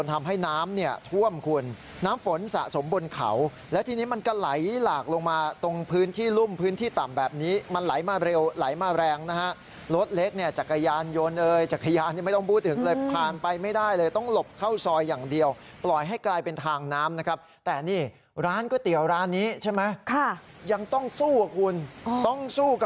ทำให้น้ำเนี่ยท่วมคุณน้ำฝนสะสมบนเขาแล้วทีนี้มันก็ไหลหลากลงมาตรงพื้นที่รุ่มพื้นที่ต่ำแบบนี้มันไหลมาเร็วไหลมาแรงนะฮะรถเล็กเนี่ยจักรยานยนต์เอ่ยจักรยานนี่ไม่ต้องพูดถึงเลยผ่านไปไม่ได้เลยต้องหลบเข้าซอยอย่างเดียวปล่อยให้กลายเป็นทางน้ำนะครับแต่นี่ร้านก๋วยเตี๋ยวร้านนี้ใช่ไหมค่ะยังต้องสู้กับคุณต้องสู้กับ